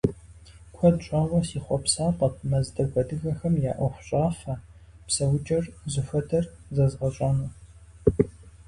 Куэд щӏауэ си хъуэпсапӏэт мэздэгу адыгэхэм я ӏуэхущӏафэ, псэукӏэр зыхуэдэр зэзгъэщӏэну.